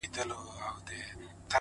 • ما وېل سفر کومه ځمه او بیا نه راځمه،